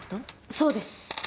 そうです。